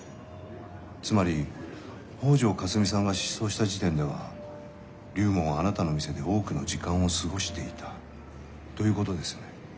つまり北條かすみさんが失踪した時点では龍門はあなたの店で多くの時間を過ごしていたということですよね。